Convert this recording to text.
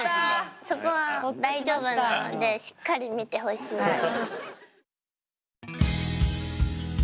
そこは大丈夫なのでしっかり見てほしいです。